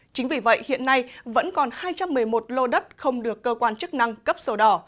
chính vì vậy hiện nay vẫn còn hai trăm một mươi một lô đất không được cơ quan chức năng cấp sổ đỏ